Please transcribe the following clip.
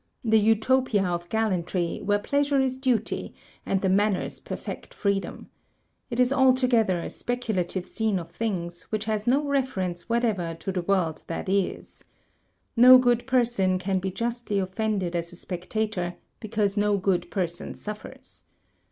The Utopia of gallantry, where pleasure is duty, and the manners perfect freedom. It is altogether a speculative scene of things, which has no reference whatever to the world MURDER IN GENERAL 221 that is. No good person can be justly offended as a spectator, because no good person suffers.